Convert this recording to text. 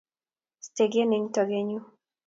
Stegen eng' togennyu.